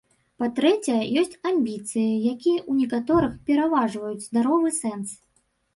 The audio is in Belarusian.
Па-трэцяе, ёсць амбіцыі, якія ў некаторых пераважваюць здаровы сэнс.